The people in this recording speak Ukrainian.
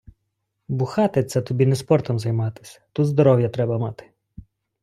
Бухати це тобі не спортом займатись, тут здоров'я треба мати